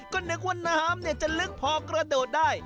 ก็นึกว่าน้ำจะลึกพอกระโดดได้